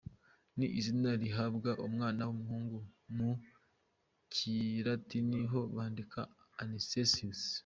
Ni izina rihabwa umwana w’umuhungu, mu Kilatini ho bandika Anicetus.